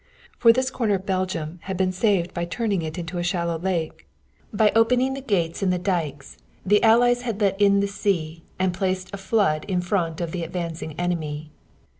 For this corner of Belgium had been saved by turning it into a shallow lake. By opening the gates in the dikes the Allies had let in the sea and placed a flood in front of the advancing enemy.